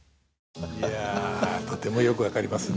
いやとてもよく分かりますね。